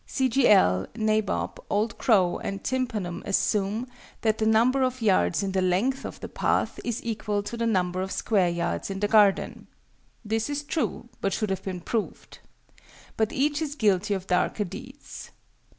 C. G. L., NABOB, OLD CROW, and TYMPANUM assume that the number of yards in the length of the path is equal to the number of square yards in the garden. This is true, but should have been proved. But each is guilty of darker deeds.